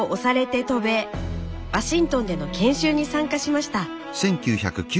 ワシントンでの研修に参加しました。